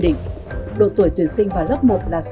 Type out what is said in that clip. đỉnh độ tuổi tuyển sinh vào lớp một là sáu